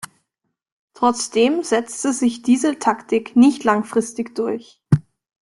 Trotzdem setzte sich diese Taktik nicht langfristig durch.